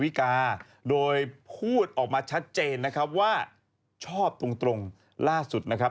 ไปก็ไม่รู้ว่ามันจะเป็นอย่างไรนะคะ